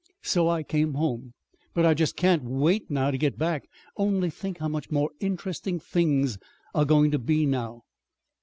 So I came home. But I just can't wait now to get back. Only think how much more interesting things are going to be now!"